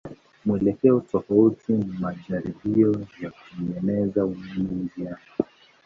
Mwelekeo tofauti ni majaribio ya kutengeneza umeme njiani.